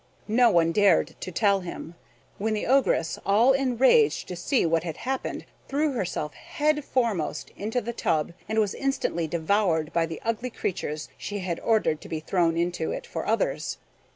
No one dared to tell him, when the Ogress, all enraged to see what had happened, threw herself head foremost into the tub, and was instantly devoured by the ugly creatures she had ordered to be thrown into it for others.